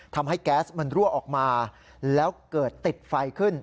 ทำให้แก๊สมันรั่วออกมาแล้วเกิดติดไฟขึ้น